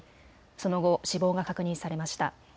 その後、死亡が確認されました。